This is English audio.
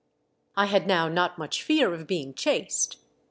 I had now not much fear of being chased.